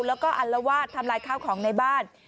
แล้วก็อัลวาดทำลายข้าวของในบ้าน